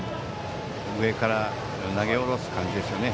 上から投げ下ろす感じですね。